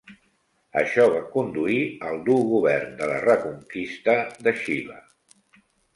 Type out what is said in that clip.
Això va conduir al dur govern de la "reconquista" de Xile.